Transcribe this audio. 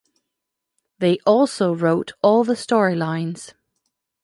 They also wrote all the storylines.